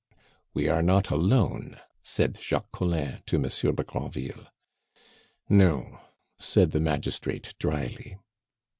"We are not alone!" said Jacques Collin to Monsieur de Granville. "No," said the magistrate drily.